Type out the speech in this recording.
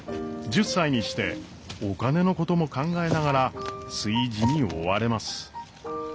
１０歳にしてお金のことも考えながら炊事に追われます。